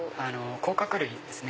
甲殻類ですね